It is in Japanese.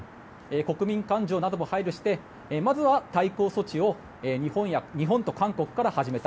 国民感情なども配慮してまずは対抗措置を日本と韓国から始めた。